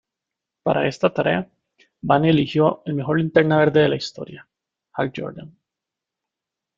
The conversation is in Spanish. Para esta tarea, Vane eligió al mejor Linterna Verde de la historia, Hal Jordan.